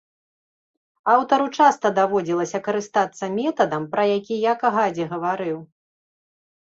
Аўтару часта даводзілася карыстацца метадам, пра які я кагадзе гаварыў.